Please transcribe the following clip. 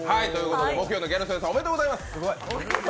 木曜のギャル曽根さんおめでとうございます。